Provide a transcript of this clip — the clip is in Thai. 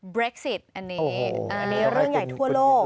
เรคซิตอันนี้อันนี้เรื่องใหญ่ทั่วโลก